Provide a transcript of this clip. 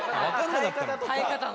「耐え方の」